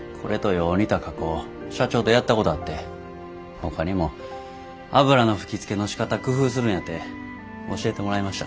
ほかにも油の吹きつけのしかた工夫するんやて教えてもらいました。